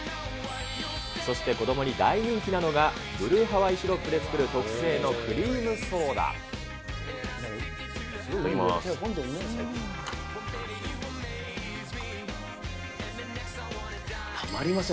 そして子どもに大人気なのがブルーハワイシロップで作る特製のクいただきます。